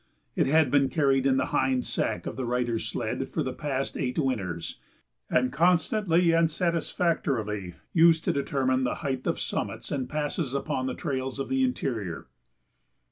It had been carried in the hind sack of the writer's sled for the past eight winters and constantly and satisfactorily used to determine the height of summits and passes upon the trails of the interior.